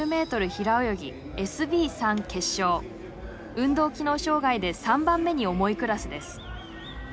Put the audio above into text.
運動機能障害で３番目に重いクラスです。